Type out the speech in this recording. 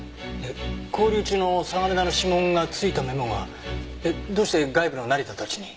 勾留中の嵯峨根田の指紋がついたメモがどうして外部の成田たちに？